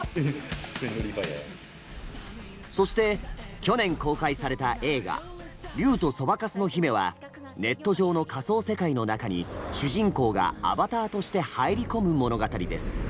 そして去年公開された映画「竜とそばかすの姫」はネット上の仮想世界の中に主人公が「アバター」として入り込む物語です。